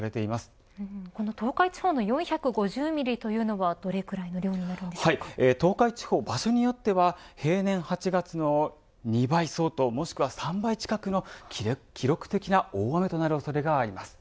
この東海地方の４５０ミリというのはどれくらいの量に東海地方場所によっては平年８月の２倍相当、もしくは３倍近くの記録的な大雨となる恐れがあります。